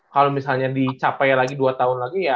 kalau misalnya dicapai lagi dua tahun lagi ya